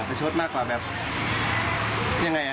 ประชดมากกว่าแบบยังไงอ่ะ